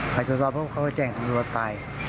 ไปตรวจสอบเพราะเขาก็แจ้งตำรวจไป